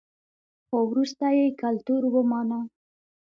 خو وروسته یې کلتور ومانه